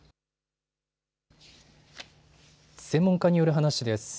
専門家による話です。